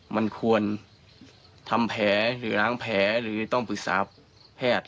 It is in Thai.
มันควรทำแผลหรือล้างแผลหรือต้องปรึกษาแพทย์